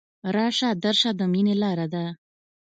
راشه درشه د ميني لاره ده